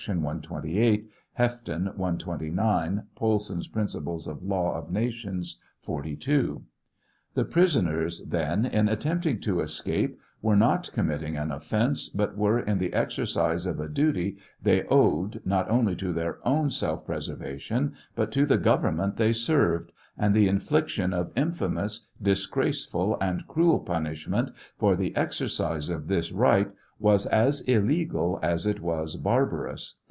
128; Heften, 129 ; Poison's Prin. of Law of Nations, 42.) The prisoners, then, in attempting to escape, were not committing an offence, but were in the exercise of a duty they owed, not only to their own self preservation, but to the government they served; and the infliction of infamous, disgraceful, and cruel punishment for the exercise of this right, was as illegal as it was barbarous.